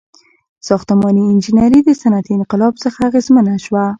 • ساختماني انجینري د صنعتي انقلاب څخه اغیزمنه شوه.